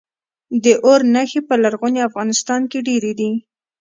د اور نښې په لرغوني افغانستان کې ډیرې دي